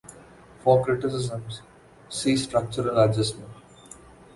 For criticisms, see structural adjustment.